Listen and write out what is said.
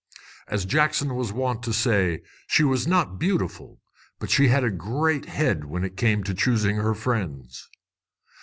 As Jackson was wont to say, she was not beautiful, but she had a great head when it came to choosing her friends.